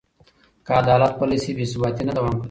که عدالت پلی شي، بې ثباتي نه دوام کوي.